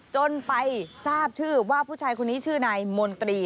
จนไปทราบชื่อว่าผู้ชายคนนี้ชื่อนายมนตรี